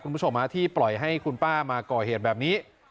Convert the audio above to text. คุณผู้ชมที่ปล่อยให้คุณป้ามาก่อเหตุแบบนี้